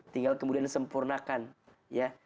tinggal kemudian disempurnakan ya